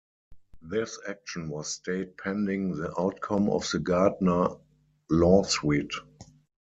This action was stayed pending the outcome of the Gardner lawsuit.